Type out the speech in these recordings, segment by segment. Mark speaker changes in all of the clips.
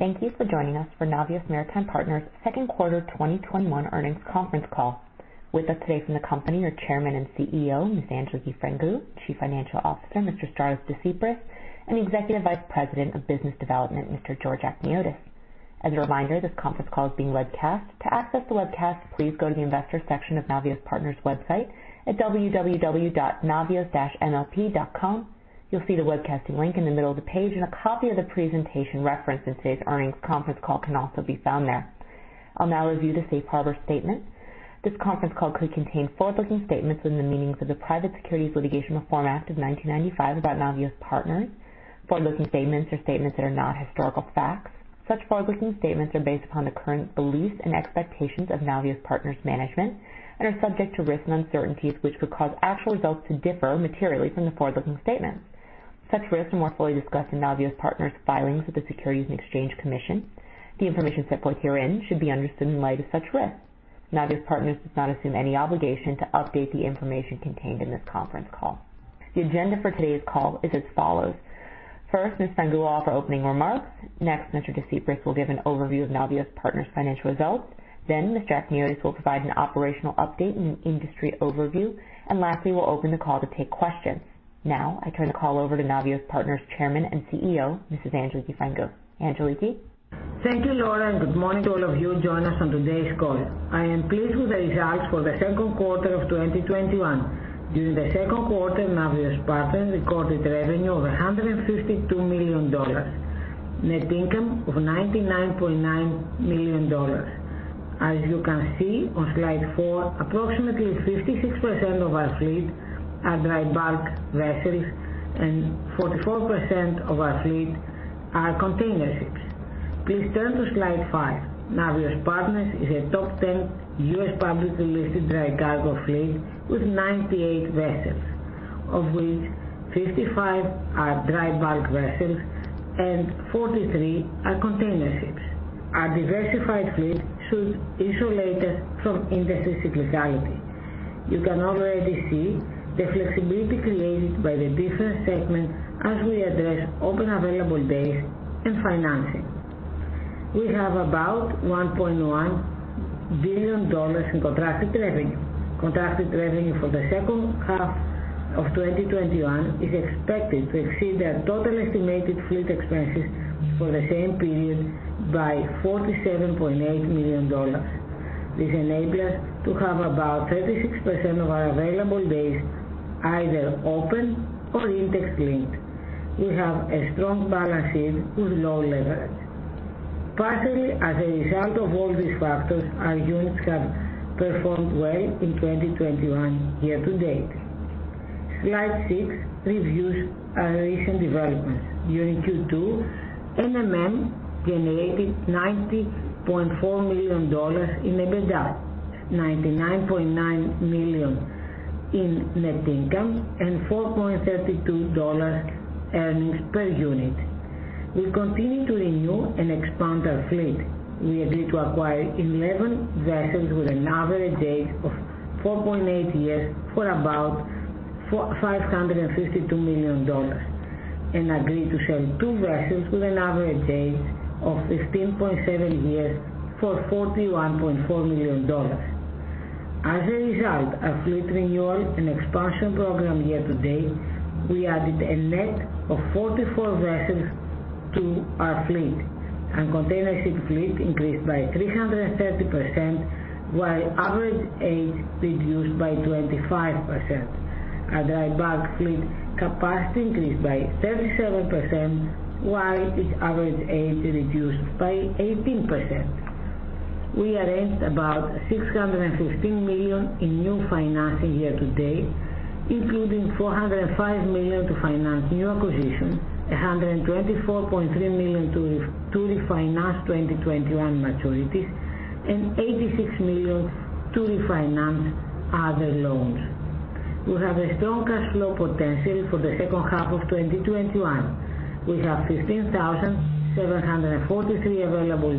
Speaker 1: Thank you for joining us for Navios Maritime Partners' Q2 2021 earnings conference call. With us today from the company are Chairman and CEO, Ms. Angeliki Frangou, Chief Financial Officer, Mr. Efstratios Desypris, and Executive Vice President of Business Development, Mr. Georgios Akhniotis. As a reminder, this conference call is being webcast. To access the webcast, please go to the investors section of Navios Partners website at www.navios-mlp.com. You'll see the webcasting link in the middle of the page and a copy of the presentation referenced in today's earnings conference call can also be found there. I'll now review the safe harbor statement. This conference call could contain forward-looking statements within the meanings of the Private Securities Litigation Reform Act of 1995 about Navios Partners. Forward-looking statements are statements that are not historical facts. Such forward-looking statements are based upon the current beliefs and expectations of Navios Partners' management and are subject to risks and uncertainties which could cause actual results to differ materially from the forward-looking statements. Such risks are more fully discussed in Navios Partners' filings with the Securities and Exchange Commission. The information set forth herein should be understood in light of such risks. Navios Partners does not assume any obligation to update the information contained in this conference call. The agenda for today's call is as follows. First, Ms. Frangou will offer opening remarks. Next, Mr. Desypris will give an overview of Navios Partners' financial results. Mr. Akhniotis will provide an operational update and an industry overview. Lastly, we'll open the call to take questions. I turn the call over to Navios Partners Chairman and CEO, Mrs. Angeliki Frangou. Angeliki.
Speaker 2: Thank you, Laura. Good morning to all of you joining us on today's call. I am pleased with the results for the Q2 of 2021. During the Q2, Navios Partners recorded revenue of $152 million, net income of $99.9 million. As you can see on slide four, approximately 56% of our fleet are dry bulk vessels and 44% of our fleet are container ships. Please turn to slide five. Navios Partners is a top 10 U.S. publicly listed dry cargo fleet with 98 vessels, of which 55 are dry bulk vessels and 43 are container ships. Our diversified fleet should insulate us from industry cyclicality. You can already see the flexibility created by the different segments as we address open available days and financing. We have about $1.1 billion in contracted revenue. Contracted revenue for the H2 of 2021 is expected to exceed our total estimated fleet expenses for the same period by $47.8 million. This enable us to have about 36% of our available days either open or index-linked. We have a strong balance sheet with low leverage. Partially as a result of all these factors, our units have performed well in 2021 year-to-date. Slide six reviews our recent developments. During Q2, NMM generated $90.4 million in EBITDA, $99.9 million in net income, and $4.32 earnings per unit. We continue to renew and expand our fleet. We agreed to acquire 11 vessels with an average age of 4.8 years for about $552 million and agreed to sell two vessels with an average age of 15.7 years for $41.4 million. As a result of our fleet renewal and expansion program year-to-date, we added a net of 44 vessels to our fleet. Our container ship fleet increased by 330%, while average age reduced by 25%. Our dry bulk fleet capacity increased by 37%, while its average age reduced by 18%. We arranged about $615 million in new financing year-to-date, including $405 million to finance new acquisitions, $124.3 million to refinance 2021 maturities, and $86 million to refinance other loans. We have a strong cash flow potential for the H2 of 2021. We have 15,743 available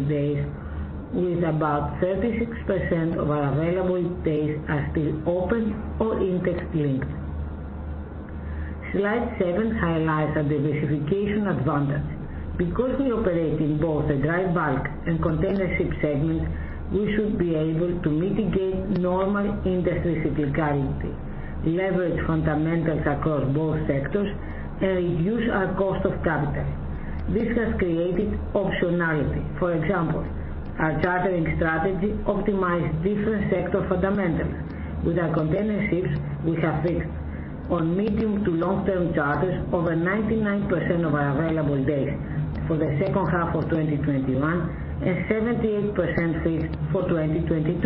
Speaker 2: days with about 36% of our available days are still open or index-linked. Slide seven highlights our diversification advantage. Because we operate in both the dry bulk and container ship segments, we should be able to mitigate normal industry cyclicality, leverage fundamentals across both sectors, and reduce our cost of capital. This has created optionality. For example, our chartering strategy optimize different sector fundamentals. With our container ships, we have fixed on medium to long-term charters over 99% of our available days for the H2 of 2021 and 78% fixed for 2022.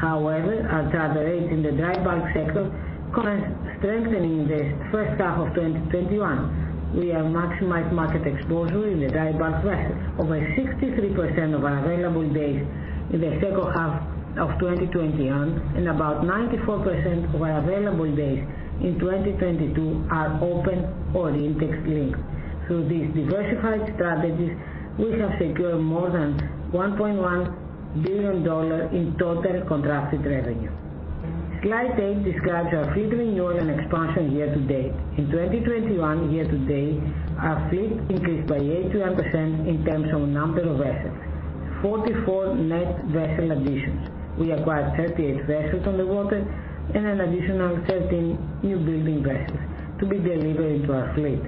Speaker 2: However, our charter rates in the dry bulk sector strengthening in the H1 of 2021. We have maximized market exposure in the dry bulk vessels. Over 63% of our available days in the H2 of 2021 and about 94% of our available days in 2022 are open or index-linked. Through these diversified strategies, we have secured more than $1.1 billion in total contracted revenue. Slide eigh- describes our fleet renewal and expansion year-to-date. In 2021, year-to-date, our fleet increased by 800% in terms of number of assets, 44 net vessel additions. We acquired 38 vessels on the water and an additional 13 new building vessels to be delivered into our fleet.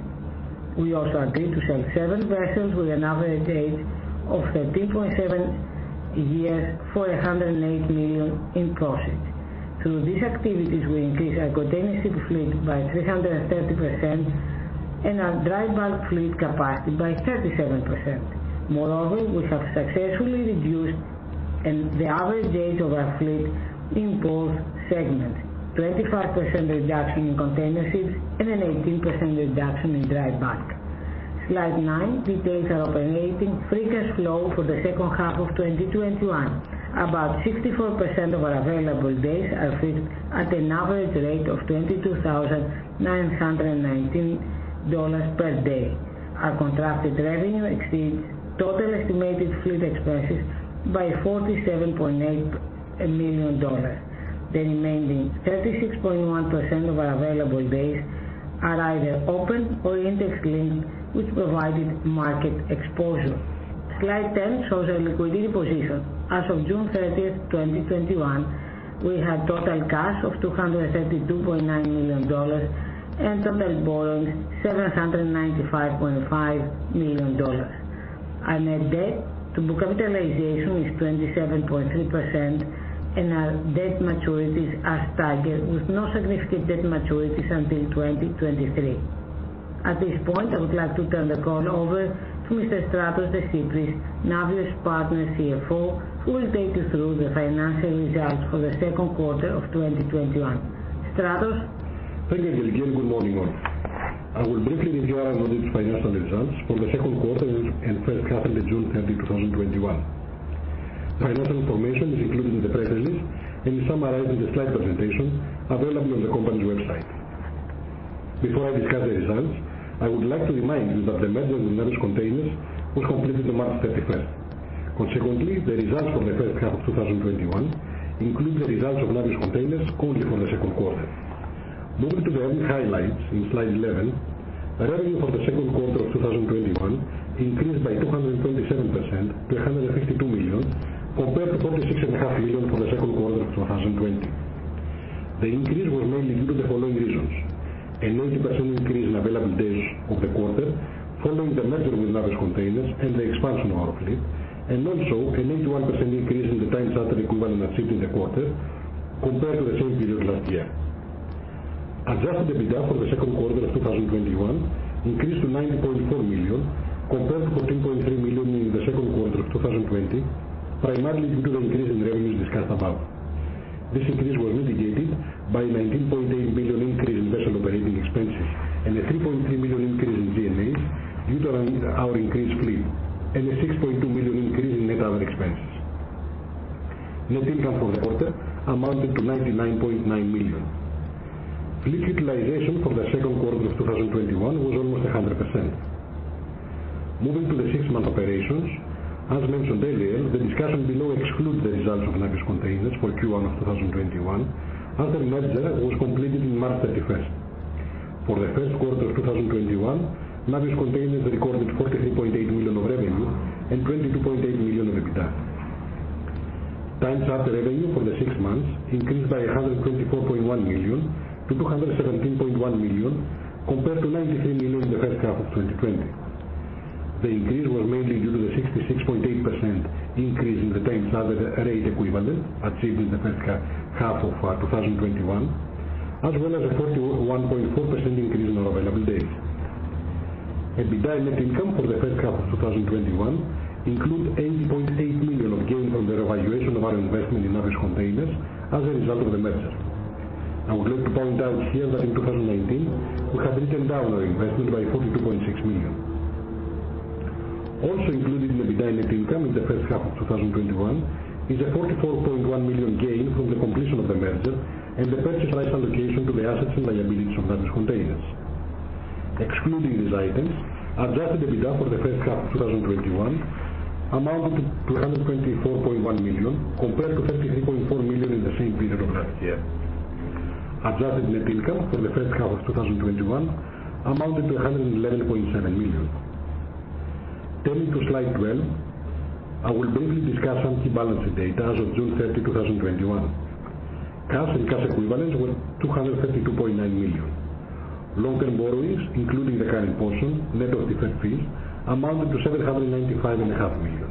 Speaker 2: We also agreed to sell seven vessels with an average age of 13.7 years for $108 million in profit. Through these activities, we increased our containership fleet by 330% and our dry bulk fleet capacity by 37%. Moreover, we have successfully reduced the average age of our fleet in both segments, 25% reduction in containerships and an 18% reduction in dry bulk. Slide nine details our operating fleet as shown for the H2 of 2021. About 64% of our available days are fixed at an average rate of $22,919 per day. Our contracted revenue exceeds total estimated fleet expenses by $47.8 million. The remaining 36.1% of our available days are either open or in a pool, which provided market exposure. Slide 10 shows our liquidity position. As of June 30th, 2021, we had total cash of $232.9 million and total borrowings $795.5 million. Our net debt to book capitalization is 27.3%, and our debt maturities as targeted with no significant debt maturities until 2023. At this point, I would like to turn the call over to Mr. Efstratios Desypris, Navios Partners CFO, who will take you through the financial results for the Q2 of 2021. Stratos?
Speaker 3: Thank you, Angeliki. Good morning, all. I will briefly review our audited financial results for the Q2 and H1 ended June 30, 2021. Financial information is included in the press release and is summarized in the slide presentation available on the company's website. Before I discuss the results, I would like to remind you that the merger with Navios Containers was completed on March 31st. Consequently, the results for the H1 of 2021 include the results of Navios Containers only for the Q2. Moving to the earnings highlights on slide 11, revenue for the Q2 of 2021 increased by 227% to $152 million, compared to $46.5 million for the Q2 of 2020. The increase was mainly due to the following reasons: an 80% increase in available days of the quarter following the merger with Navios Maritime Containers and the expansion of our fleet, and also an 81% increase in the time charter equivalent achieved in the quarter compared to the same period last year. Adjusted EBITDA for the Q2 of 2021 increased to $90.4 million, compared to $14.3 million in the Q2 of 2020, primarily due to the increase in revenues discussed above. This increase was mitigated by a $19.8 million increase in vessel operating expenses and a $3.3 million increase in G&As due to our increased fleet, and a $6.2 million increase in net other expenses. Net income for the quarter amounted to $99.9 million. Fleet utilization for the Q2 of 2021 was almost 100%. Moving to the six-month operations, as mentioned earlier, the discussion below excludes the results of Navios Containers for Q1 of 2021, as the merger was completed on March 31st. For the Q1 of 2021, Navios Containers recorded $43.8 million of revenue and $22.8 million of EBITDA. Time charter revenue for the six months increased by $124.1 million to $217.1 million compared to $93 million in the first half of 2020. The increase was mainly due to the 66.8% increase in the time charter equivalent achieved in the H1 of 2021, as well as a 41.4% increase in available days. EBITDA and net income for the H1 of 2021 include $8.8 million of gain from the revaluation of our investment in Navios Containers as a result of the merger. I would like to point out here that in 2019, we had written down our investment by $42.6 million. Also included in EBITDA net income in the H1 of 2021 is a $44.1 million gain from the completion of the merger and the purchase rights allocation to the assets and liabilities of Navios Containers. Excluding these items, adjusted EBITDA for the H1 of 2021 amounted to $124.1 million compared to $33.4 million in the same period of last year. Adjusted net income for the H1 of 2021 amounted to $111.7 million. Turning to slide 12, I will briefly discuss some key balance sheet data as of June 30, 2021. Cash and cash equivalents were $232.9 million. Long-term borrowings, including the current portion net of deferred fees, amounted to $795.5 million.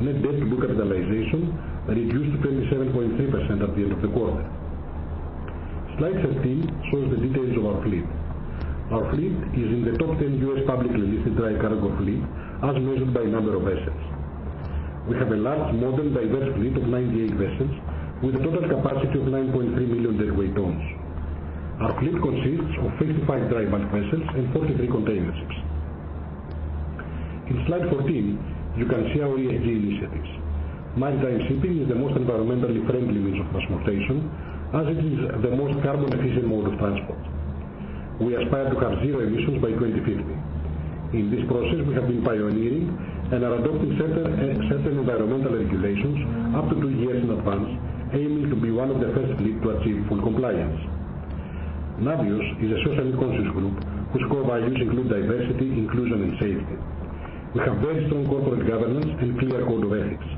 Speaker 3: Net debt to book capitalization reduced to 27.3% at the end of the quarter. Slide 13 shows the details of our fleet. Our fleet is in the top 10 U.S. publicly listed dry cargo fleet as measured by number of assets. We have a large, modern, diverse fleet of 98 vessels with a total capacity of 9.3 million deadweight tons. Our fleet consists of 35 dry bulk vessels and 43 containerships. In slide 14, you can see our ESG initiatives. Maritime shipping is the most environmentally friendly means of transportation, as it is the most carbon-efficient mode of transport. We aspire to have zero emissions by 2050. In this process, we have been pioneering and are adopting certain environmental regulations up to two years in advance, aiming to be one of the first fleet to achieve full compliance. Navios is a socially conscious group whose core values include diversity, inclusion, and safety. We have very strong corporate governance and clear code of ethics.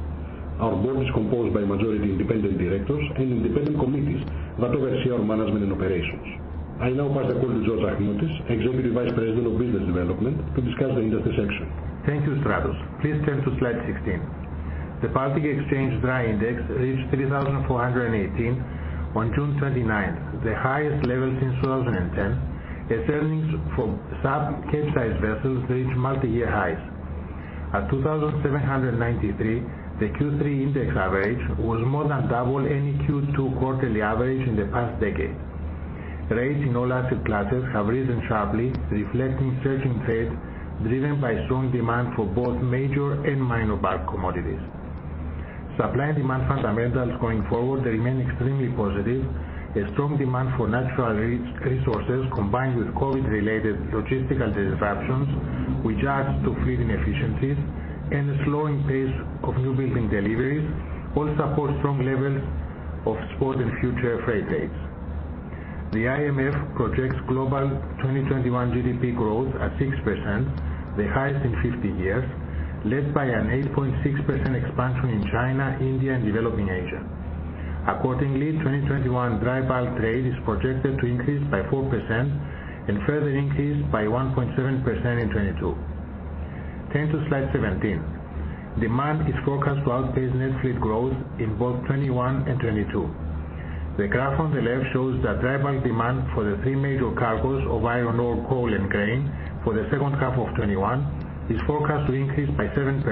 Speaker 3: Our board is composed by majority independent directors and independent committees that oversee our management and operations. I now pass the call to Georgios Akhniotis, Executive Vice President-Business Development, to discuss the industry section.
Speaker 4: Thank you, Stratos. Please turn to slide 16. The Baltic Dry Index reached 3,418 on June 29th, the highest level since 2010, as earnings for sub-Capesize vessels reached multiyear highs. At 2,793, the Q3 index average was more than double any Q2 quarterly average in the past decade. Rates in all asset classes have risen sharply, reflecting surging trade, driven by strong demand for both major and minor bulk commodities. Supply and demand fundamentals going forward remain extremely positive, as strong demand for natural resources, combined with COVID-related logistical disruptions, which adds to fleet inefficiencies, and a slowing pace of new building deliveries all support strong levels of spot and future freight rates. The IMF projects global 2021 GDP growth at 6%, the highest in 50 years, led by an 8.6% expansion in China, India, and developing Asia. Accordingly, 2021 dry bulk trade is projected to increase by 4% and further increase by 1.7% in 2022. Turn to slide 17. Demand is forecast to outpace net fleet growth in both 2021 and 2022. The graph on the left shows that dry bulk demand for the three major cargoes of iron ore, coal, and grain for the H2 of 2021 is forecast to increase by 7%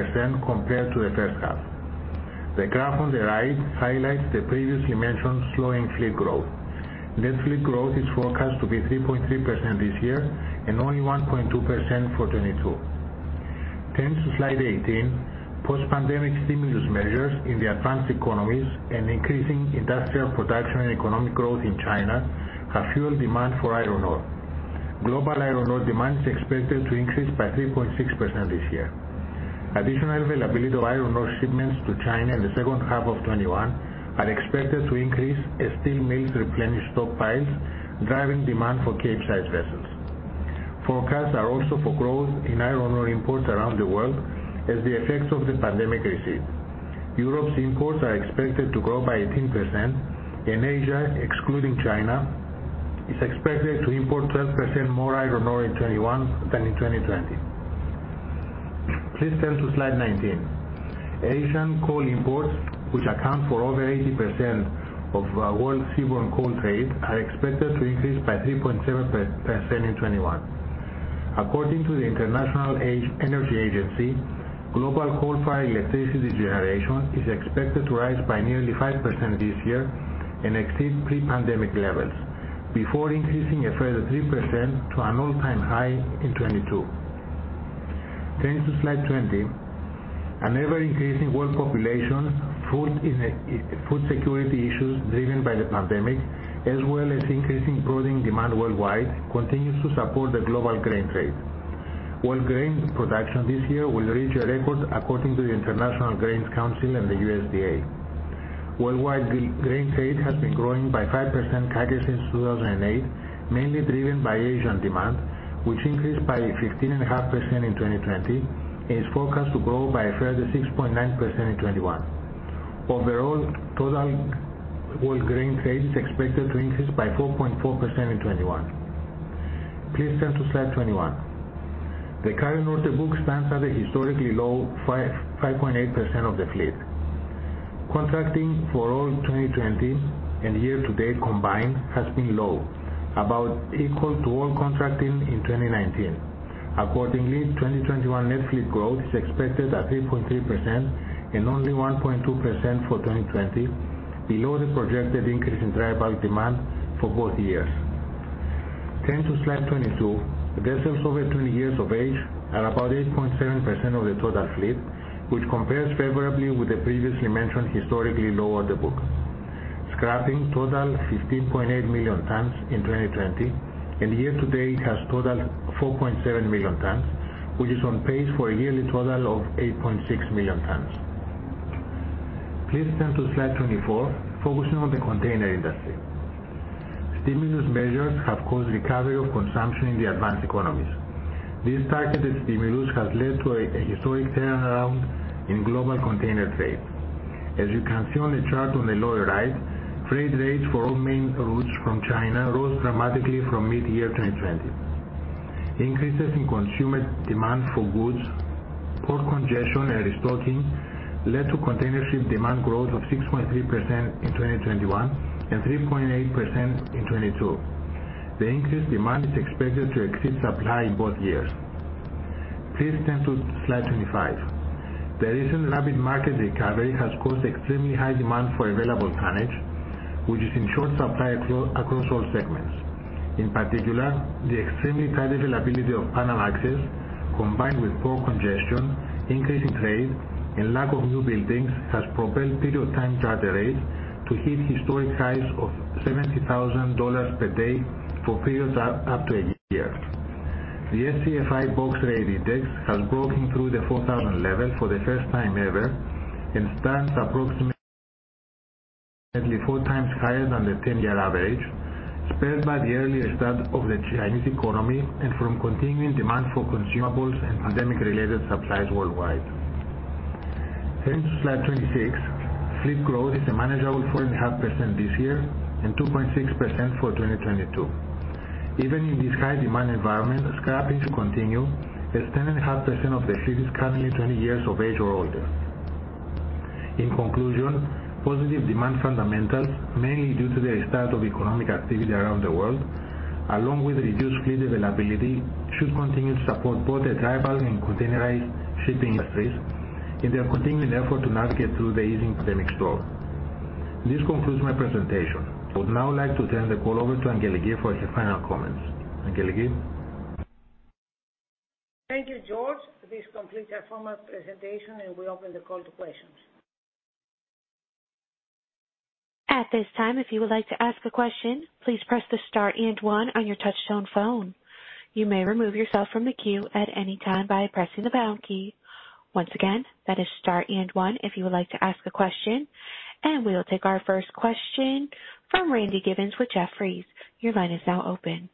Speaker 4: compared to the H1. The graph on the right highlights the previously mentioned slowing fleet growth. Net fleet growth is forecast to be 3.3% this year and only 1.2% for 2022. Turn to slide 18. Post-pandemic stimulus measures in the advanced economies and increasing industrial production and economic growth in China have fueled demand for iron ore. Global iron ore demand is expected to increase by 3.6% this year. Additional availability of iron ore shipments to China in the H2 of 2021 are expected to increase as steel mills replenish stockpiles, driving demand for Capesize vessels. Forecasts are also for growth in iron ore imports around the world as the effects of the pandemic recede. Europe’s imports are expected to grow by 18%, and Asia, excluding China, is expected to import 12% more iron ore in 2021 than in 2020. Please turn to slide 19. Asian coal imports, which account for over 80% of world seaborne coal trade, are expected to increase by 3.7% in 2021. According to the International Energy Agency, global coal-fired electricity generation is expected to rise by nearly 5% this year and exceed pre-pandemic levels before increasing a further 3% to an all-time high in 2022. Turn to slide 20. An ever-increasing world population, food security issues driven by the pandemic, as well as increasing protein demand worldwide, continues to support the global grain trade. World grain production this year will reach a record according to the International Grains Council and the USDA. Worldwide grain trade has been growing by 5% CAGR since 2008, mainly driven by Asian demand, which increased by 15.5% in 2020 and is forecast to grow by a further 6.9% in 2021. Overall, total world grain trade is expected to increase by 4.4% in 2021. Please turn to slide 21. The current order book stands at a historically low 5.8% of the fleet. Contracting for all 2020 and year-to-date combined has been low, about equal to all contracting in 2019. Accordingly, 2021 net fleet growth is expected at 3.3% and only 1.2% for 2020, below the projected increase in dry bulk demand for both years. Turn to slide 22. Vessels over 20 years of age are about 8.7% of the total fleet, which compares favorably with the previously mentioned historically low order book. Scrapping totaled 15.8 million tons in 2020, and year-to-date has totaled 4.7 million tons, which is on pace for a yearly total of 8.6 million tons. Please turn to slide 24, focusing on the container industry. Stimulus measures have caused recovery of consumption in the advanced economies. This targeted stimulus has led to a historic turnaround in global container trade. As you can see on the chart on the lower right, freight rates for all main routes from China rose dramatically from mid-year 2020. Increases in consumer demand for goods, port congestion, and restocking led to container ship demand growth of 6.3% in 2021 and 3.8% in 2022. The increased demand is expected to exceed supply in both years. Please turn to slide 25. The recent rapid market recovery has caused extremely high demand for available tonnage, which is in short supply across all segments. In particular, the extremely tight availability of Panamaxes, combined with port congestion, increasing trade, and lack of newbuildings, has propelled period time charter rates to hit historic highs of $70,000 per day for periods up to one year. The Shanghai Containerized Freight Index has broken through the 4,000 level for the first time ever and stands approximately 4x higher than the 10-year average, spurred by the early restart of the Chinese economy and from continuing demand for consumables and pandemic-related supplies worldwide. Turning to slide 26, fleet growth is a manageable 4.5% this year and 2.6% for 2022. Even in this high-demand environment, scrapping should continue as 10.5% of the fleet is currently 20 years of age or older. In conclusion, positive demand fundamentals, mainly due to the restart of economic activity around the world, along with reduced fleet availability, should continue to support both the dry bulk and containerized shipping industries in their continuing effort to navigate through the easing pandemic slope. This concludes my presentation. I would now like to turn the call over to Angeliki for her final comments. Angeliki?
Speaker 2: Thank you, George. This completes our formal presentation, and we open the call to questions.
Speaker 5: At this time, if you would like to ask a question please press the star and one on your touchtone phone. You may remove yourself from the queue at any time by pressing the pound key. Once again, press the star and one if you would like to ask a question. We will take our first question from Randy Giveans with Jefferies. Your line is now open.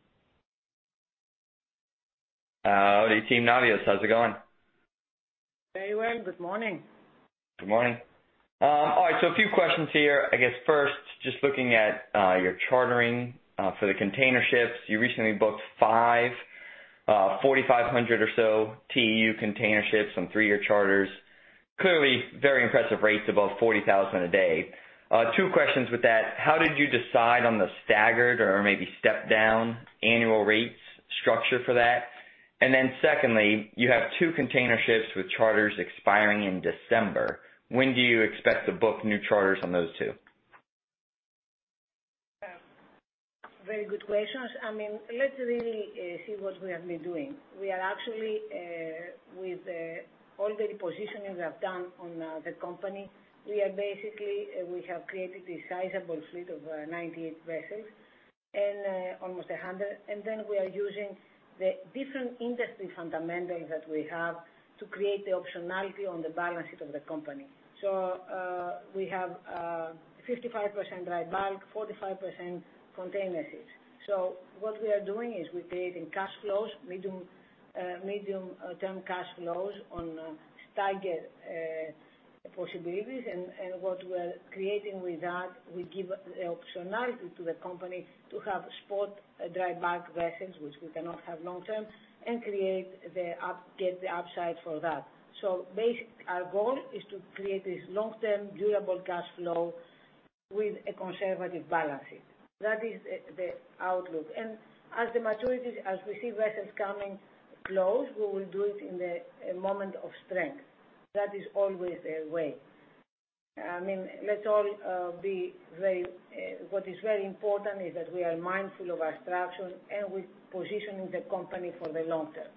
Speaker 6: Howdy, team Navios. How's it going?
Speaker 2: Very well. Good morning.
Speaker 6: Good morning. All right, a few questions here. I guess first, just looking at your chartering for the container ships, you recently booked five 4,500 or so TEU container ships on three-year charters. Clearly very impressive rates above $40,000 a day. Two questions with that. How did you decide on the staggered or maybe step down annual rates structure for that? Secondly, you have two container ships with charters expiring in December. When do you expect to book new charters on those two?
Speaker 2: Very good questions. Let's really see what we have been doing. We are actually, with all the repositioning we have done on the company, we have created this sizable fleet of 98 vessels and almost 100. We are using the different industry fundamentals that we have to create the optionality on the balance sheet of the company. We have 55% dry bulk, 45% container ships. What we are doing is we're creating cash flows, medium-term cash flows on staggered possibilities. What we're creating with that, we give the optionality to the company to have spot dry bulk vessels, which we cannot have long-term, and get the upside for that. Basically, our goal is to create this long-term durable cash flow with a conservative balance sheet. That is the outlook. As the maturities, as we see vessels coming close, we will do it in the moment of strength. That is always the way. What is very important is that we are mindful of our structure and we're positioning the company for the long-term.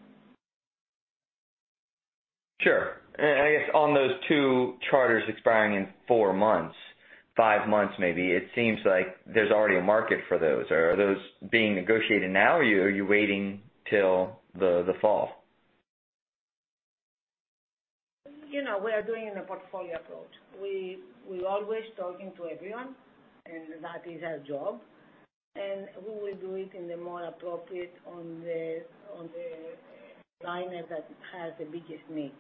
Speaker 6: Sure. I guess on those two charters expiring in four months, five months, maybe, it seems like there's already a market for those. Are those being negotiated now, or are you waiting till the fall?
Speaker 2: We are doing a portfolio approach. We're always talking to everyone, and that is our job, and we will do it in the more appropriate on the liner that has the biggest need.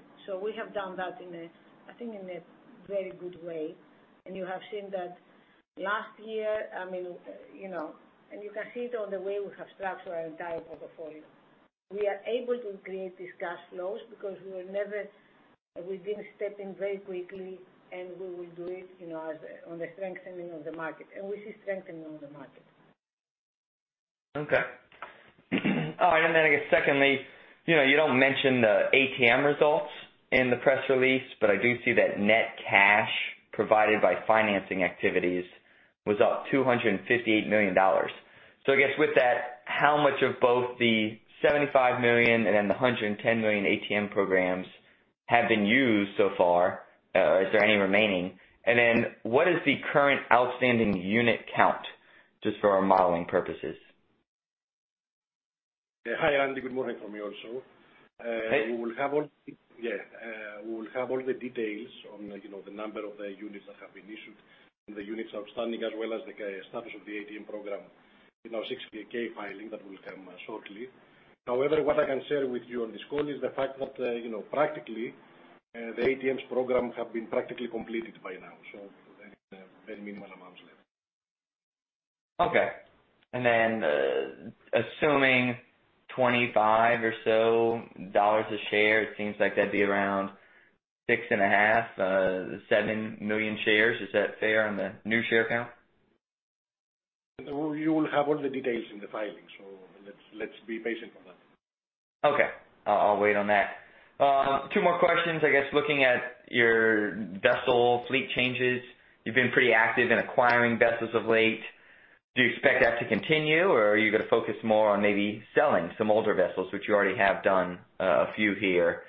Speaker 2: We have done that, I think, in a very good way. You have seen that last year, and you can see it on the way we have structured our entire portfolio. We are able to create these cash flows because we've been stepping very quickly, and we will do it on the strengthening of the market, we see strengthening of the market.
Speaker 6: Okay. All right. I guess secondly, you don't mention the ATM results in the press release, but I do see that net cash provided by financing activities was up $258 million. I guess with that, how much of both the $75 million and then the $110 million ATM programs have been used so far? Is there any remaining? What is the current outstanding unit count just for our modeling purposes?
Speaker 3: Hi, Randy. Good morning from me also.
Speaker 6: Hey.
Speaker 3: We will have all the details on the number of the units that have been issued and the units outstanding, as well as the status of the ATM program in our 6-K, filing that will come shortly. What I can share with you on this call is the fact that practically, the ATMs program have been practically completed by now. There is very minimal amounts left.
Speaker 6: Okay. Assuming $25 or so a share, it seems like that'd be around 6.5 million-7 million shares. Is that fair on the new share count?
Speaker 3: You will have all the details in the filing, so let's be patient on that.
Speaker 6: Okay. I'll wait on that. Two more questions. I guess, looking at your vessel fleet changes, you've been pretty active in acquiring vessels of late. Do you expect that to continue, or are you going to focus more on maybe selling some older vessels, which you already have done a few here?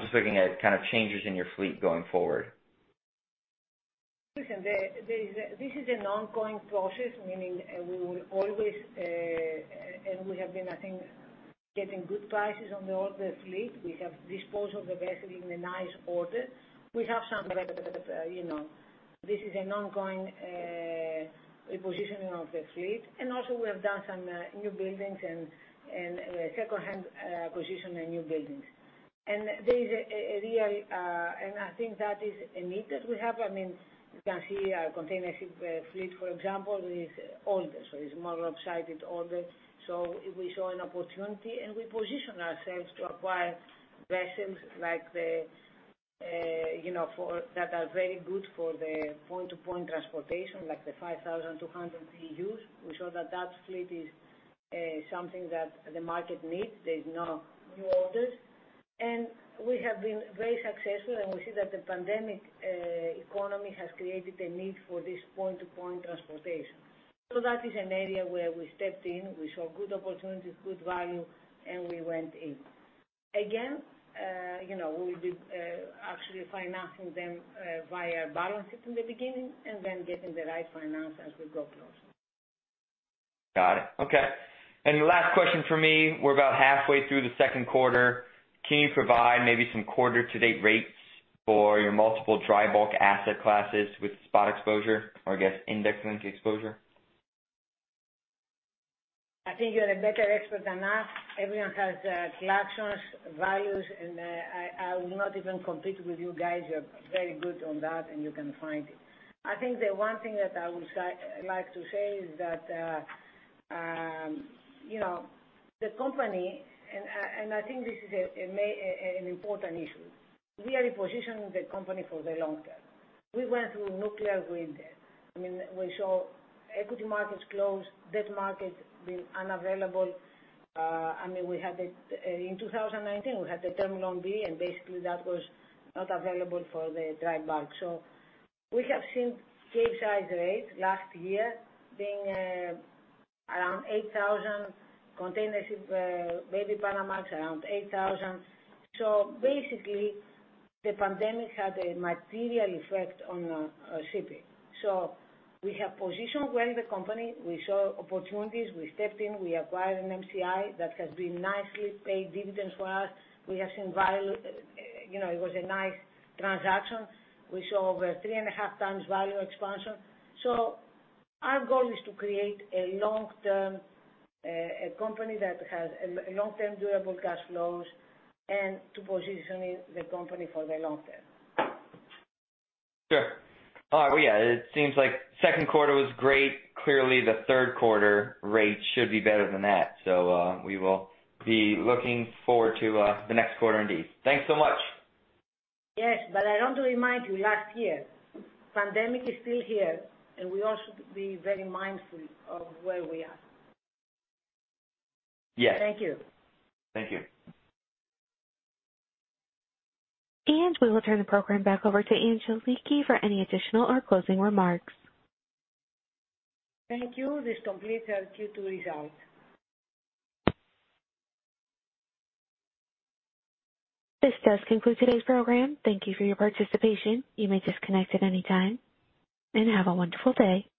Speaker 6: Just looking at changes in your fleet going forward.
Speaker 2: Listen, this is an ongoing process, meaning we will always, and we have been, I think, getting good prices on the older fleet. We have disposed of the vessel in a nice order. This is an ongoing repositioning of the fleet. Also we have done some new buildings and secondhand acquisition and new buildings. I think that is a need that we have. You can see our container ship fleet, for example, is older, so is more upsided, older. We saw an opportunity, and we position ourselves to acquire vessels that are very good for the point-to-point transportation, like the 5,200 TEUs. We saw that that fleet is something that the market needs. There is no new orders. We have been very successful, and we see that the pandemic economy has created a need for this point-to-point transportation. That is an area where we stepped in, we saw good opportunities, good value, and we went in. Again, we did actually financing them via balances in the beginning and then getting the right finance as we go process.
Speaker 6: Got it. Okay. The last question from me, we're about halfway through the Q2. Can you provide maybe some quarter-to-date rates for your multiple dry bulk asset classes with spot exposure, or I guess, index-linked exposure?
Speaker 2: I think you're a better expert than us. Everyone has collections, values, and I will not even compete with you guys. You're very good on that, and you can find it. I think the one thing that I would like to say is that the company, and I think this is an important issue, we are repositioning the company for the long term. We went through a nuclear green there. We saw equity markets close, debt market being unavailable. In 2019, we had the term loan B, and basically that was not available for the dry bulk. We have seen Capesize rates last year being around $8,000 container ship, baby Panamax around $8,000. Basically, the pandemic had a material effect on shipping. We have positioned well the company. We saw opportunities. We stepped in. We acquired an NMCI that has been nicely paid dividends for us. It was a nice transaction. We saw over 3.5x Value expansion. Our goal is to create a company that has long-term durable cash flows and to position the company for the long-term.
Speaker 6: Sure. All right. Well, yeah, it seems like Q2 was great. Clearly, the Q3 rates should be better than that. We will be looking forward to the next quarter indeed. Thanks so much.
Speaker 2: Yes, I want to remind you, last year, pandemic is still here, and we all should be very mindful of where we are.
Speaker 6: Yes.
Speaker 2: Thank you.
Speaker 6: Thank you.
Speaker 5: We will turn the program back over to Angeliki for any additional or closing remarks.
Speaker 2: Thank you. This completes our Q2 results.
Speaker 5: This does conclude today's program. Thank you for your participation. You may disconnect at any time, and have a wonderful day.